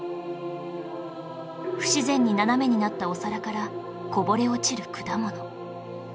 不自然に斜めになったお皿からこぼれ落ちる果物